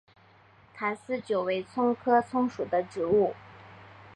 坛丝韭为葱科葱属的植物。